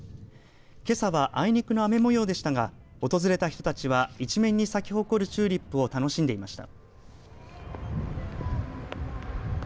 けさはあいにくの雨模様でしたが訪れた人たちは一面に咲き誇るチューリップを楽しんでいました。